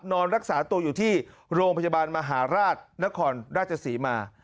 นอนรักษาตัวอยู่ที่โรงพยาบาลมหาราชนครราชศรีมา